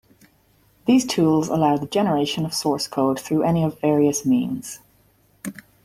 These tools allow the generation of source code through any of various means.